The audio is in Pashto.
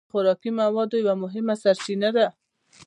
غوا د خوراکي موادو یو مهمه سرچینه ده.